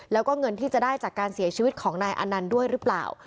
แล้วก็เงินที่จะได้จากการเสียชีวิตของนายอนันต์ด้วยหรือเปล่า